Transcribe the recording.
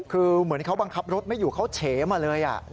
คือเหมือนเขาบังคับรถไม่อยู่เขาเฉมาเลย